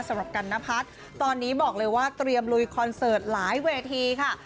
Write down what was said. สำหรับกันนพัฒน์ตอนนี้บอกเลยว่าเตรียมลุยคอนเสิร์ตหลายเวทีค่ะ